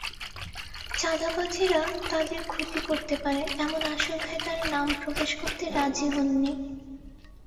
চাঁদাবাজেরা তাঁদের ক্ষতি করতে পারে, এমন আশঙ্কায় তাঁরা নাম প্রকাশ করতে রাজি হননি।